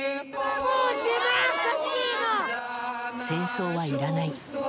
戦争はいらない。